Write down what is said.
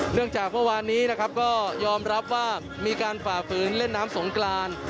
จากเมื่อวานนี้นะครับก็ยอมรับว่ามีการฝ่าฝืนเล่นน้ำสงกราน